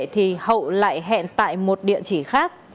thì hậu lại hẹn tại một địa chỉ khác